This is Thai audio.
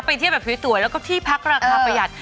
เที่ยวแบบสวยแล้วก็ที่พักราคาประหยัด